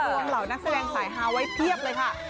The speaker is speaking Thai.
เหล่านักแสดงสายฮาไว้เพียบเลยค่ะ